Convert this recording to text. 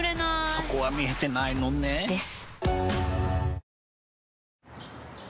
そこは見えてないのね。です。